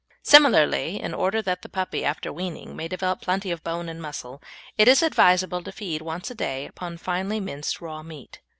Similarly, in order that the puppy, after weaning, may develop plenty of bone and muscle, it is advisable to feed once a day upon finely minced raw meat.